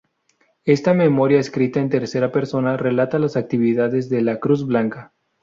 Esta memoria, escrita en tercera persona, relata las actividades de la Cruz Blanca.